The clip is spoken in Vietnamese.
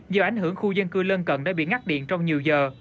do ảnh hưởng khu dân cư lân cận đã bị ngắt điện trong nhiều giờ